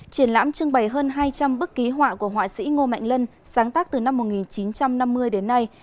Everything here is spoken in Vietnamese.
triển lãm trưng bày hơn hai trăm linh bức ký họa của họa sĩ ngô mạnh lân sáng tác từ năm một nghìn chín trăm năm mươi đến nay